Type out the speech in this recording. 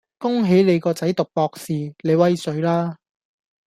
恭喜你個仔讀博士，你威水啦